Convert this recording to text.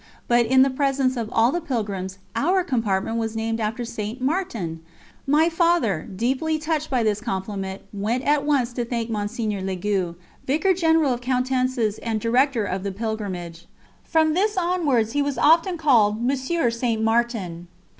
But in the presence of all the pilgrims our compartment was named after St. Martin! My Father, deeply touched by this compliment, went at once to thank Mgr. Legoux, Vicar General of Coutances and director of the pilgrimage. From this onwards he was often called "Monsieur Saint Martin."